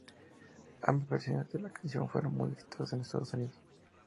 Ambas versiones de la canción fueron muy exitosas en los Estados Unidos.